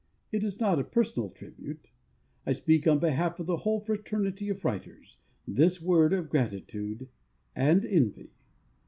It is not a personal tribute. I speak, on behalf of the whole fraternity of writers, this word of gratitude and envy.